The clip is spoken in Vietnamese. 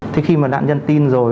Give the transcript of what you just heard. thì khi mà nạn nhân tin rồi